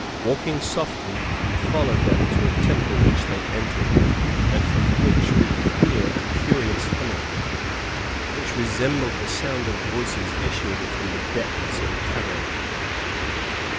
Walking softly, we followed them to a temple which they entered, and from which we could hear a curious humming, which resembled the sound of voices issuing from the depths of a cavern.